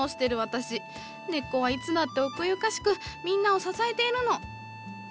根っこはいつだって奥ゆかしくみんなを支えているの。